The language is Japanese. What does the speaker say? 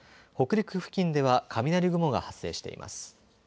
北陸付近では雷雲が発生しています。